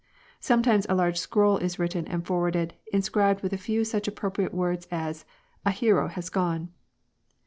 Sometimes a large scroll is written and forwarded, inscribed with a few such appropriate words as — "A hero has gone!"